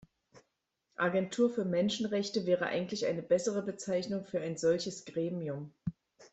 Agentur für Menschenrechte wäre eigentlich eine bessere Bezeichnung für ein solches Gremium.